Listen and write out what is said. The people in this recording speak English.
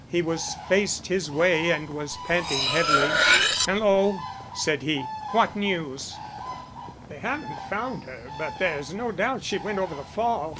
He was faced his way and was panting heavily. "Hello," said he, "what news?" "They haven't found her; but there's no doubt she went over the fall.